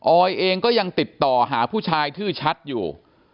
ออยเองก็ยังติดต่อหาผู้ชายชื่อชัดอยู่